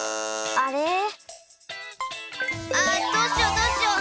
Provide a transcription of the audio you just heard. ああどうしようどうしよう。